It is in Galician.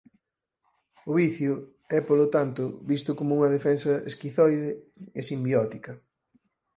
O vicio é polo tanto visto como unha defensa esquizoide e simbiótica.